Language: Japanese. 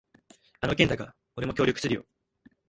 あの件だが、俺も協力するよ。